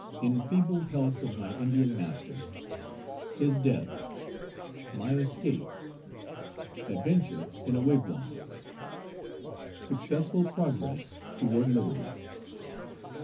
Enfeebled health of my Indian Master. His death. My escape. Adventure in a wigwam. Successful progress toward liberty.